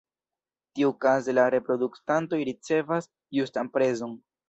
Tiukaze la produktantoj ricevas justan prezon.